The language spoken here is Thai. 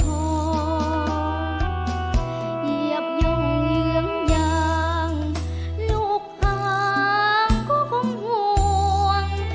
เหยียบหย่องเหยื่องอย่างลูกข้างก็คงห่วง